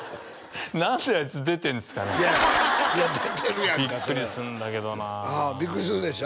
何であいつ出てんすかねいや出てるやんかビックリするんだけどなあビックリするでしょ？